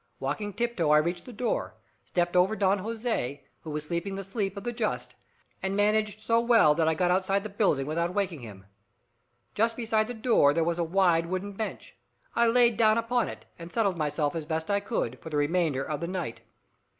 Walking tiptoe I reached the door, stepped over Don Jose, who was sleeping the sleep of the just, and managed so well that I got outside the building without waking him. Just beside the door there was a wide wooden bench. I lay down upon it, and settled myself, as best I could, for the remainder of the night.